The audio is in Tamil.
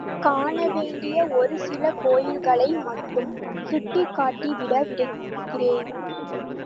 காண வேண்டிய ஒரு சில கோயில்களை மட்டும் சுட்டிக்காட்டி விட விரைகிறேன்.